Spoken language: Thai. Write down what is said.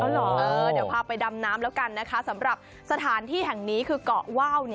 เดี๋ยวพาไปดำน้ำแล้วกันนะคะสำหรับสถานที่แห่งนี้คือเกาะว่าว